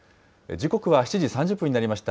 時刻は７時３０分になりました。